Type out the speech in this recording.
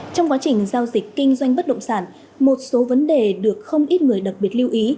trong quá trình giao dịch kinh doanh bất động sản một số vấn đề được không ít người đặc biệt lưu ý